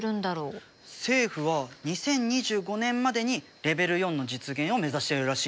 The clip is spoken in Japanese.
政府は２０２５年までにレベル４の実現を目指してるらしいよ。